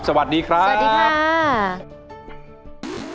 สวัสดีครับ